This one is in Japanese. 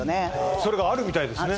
それがあるみたいですね